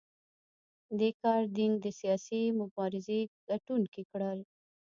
دې کار دینګ د سیاسي مبارزې ګټونکي کړل.